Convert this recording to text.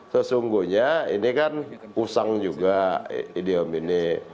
sesungguhnya ini kan usang juga idiom ini